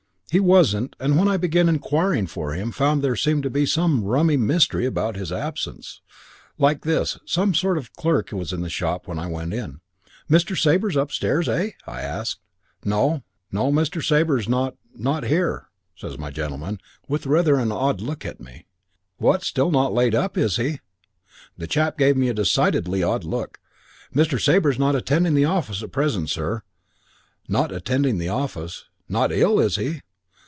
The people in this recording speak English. He wasn't, and when I began inquiring for him found there seemed to be some rummy mystery about his absence. Like this. Some sort of a clerk was in the shop as I went in. 'Mr. Sabre upstairs, eh?' I asked. 'No. No, Mr. Sabre's not not here,' says my gentleman, with rather an odd look at me. "'What, not still laid up, is he?' "The chap gave me a decidedly odd look. 'Mr. Sabre's not attending the office at present, sir.' "'Not attending the office? Not ill, is he?'